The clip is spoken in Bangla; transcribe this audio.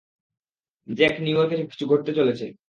জ্যাক, নিউইয়র্কে কিছু ঘটে চলেছে!